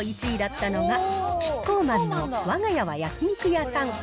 １位だったのが、キッコーマンのわが家は焼肉屋さん。